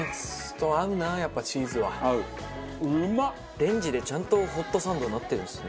レンジでちゃんとホットサンドになってるんですね。